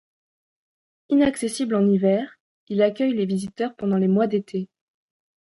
Inaccessible en hiver, il accueille les visiteurs pendant les mois d'été.